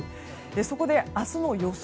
そこで、明日の予想